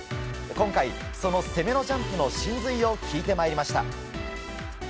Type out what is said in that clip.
今回、その攻めのジャンプの真髄を聞いてまいりました。